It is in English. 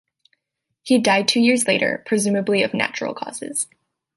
He died two years later, presumably of natural causes.